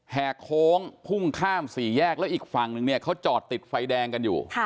แหกโค้งพุ่งข้ามสี่แยกแล้วอีกฝั่งนึงเนี่ยเขาจอดติดไฟแดงกันอยู่